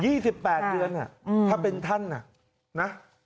๒๘เดือนถ้าเป็นท่านนะ